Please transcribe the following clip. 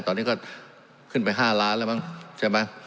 ตอนนี้ก็ขึ้นไป๕ล้านแล้วมั้งใช่ไหม